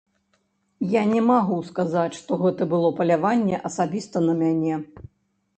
Я не магу сказаць, што гэта было паляванне асабіста на мяне.